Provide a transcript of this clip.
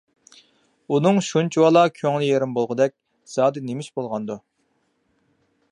ئۇنىڭ شۇنچىۋالا كۆڭلى يېرىم بولغۇدەك زادى نېمىش بولغاندۇ؟